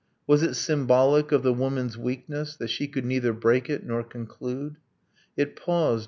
. Was it symbolic of the woman's weakness That she could neither break it nor conclude? It paused